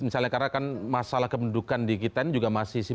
misalnya karena kan masalah kebendudukan di kita ini